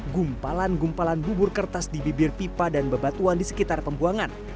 gumpalan gumpalan bubur kertas di bibir pipa dan bebatuan di sekitar pembuangan